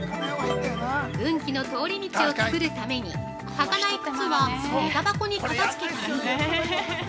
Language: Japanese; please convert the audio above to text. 運気の通り道を作るために履かない靴は下駄箱に片付けたり。